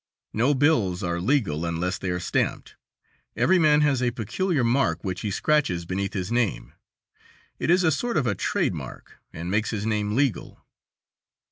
No bills are legal unless they are stamped. Every man has a peculiar mark which he scratches beneath his name. It is a sort of a trade mark, and makes his name legal.